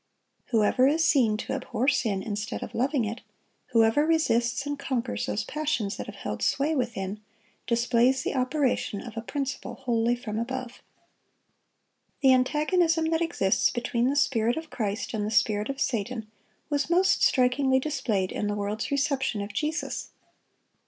Whoever is seen to abhor sin instead of loving it, whoever resists and conquers those passions that have held sway within, displays the operation of a principle wholly from above. The antagonism that exists between the spirit of Christ and the spirit of Satan was most strikingly displayed in the world's reception of Jesus.